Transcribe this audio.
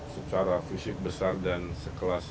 secara fisik besar dan sekelas